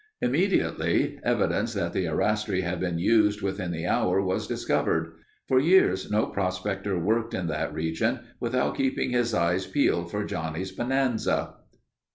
Immediately evidence that the arastre had been used within the hour was discovered. For years no prospector worked in that region without keeping his eyes peeled for Johnnie's bonanza.